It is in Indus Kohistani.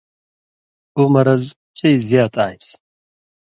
اُو مرض چئ زیات آن٘سیۡ۔